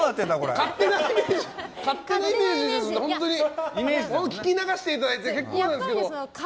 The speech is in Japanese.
勝手なイメージですので聞き流していただいて結構なんですけど。